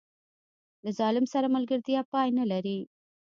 له ظالم سره ملګرتیا پای نه لري.